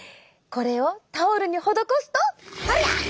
これをタオルに施すとおりゃ！